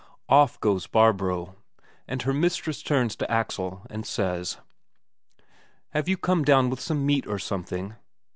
Off goes Barbro. And her mistress turns to Axel and says: "Have you come down with some meat, or something?"